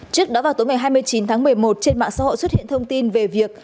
trước đó vào tối ngày hai mươi chín tháng một mươi một trên mạng xã hội xuất hiện thông tin về việc